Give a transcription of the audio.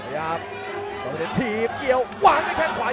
ยักษ์กรรมเชียร์ดังฉนัดอีกแล้วครับ